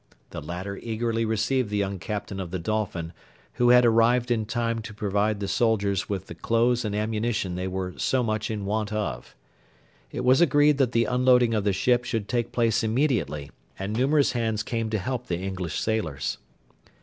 The latter eagerly received the young Captain of the Dolphin, who had arrived in time to provide the soldiers with the clothes and ammunition they were so much in want of. It was agreed that the unloading of the ship should take place immediately, and numerous hands came to help the English sailors.